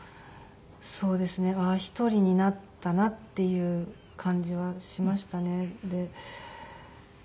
そうですね１人になったなっていう感じはしましたね。